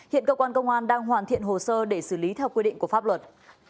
hiện cơ quan công an đang hoàn thiện hồ sơ để xử lý theo quy định của pháp luật